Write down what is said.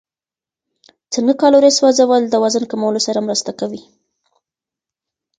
څنګه کالوري سوځول د وزن کمولو سره مرسته کوي؟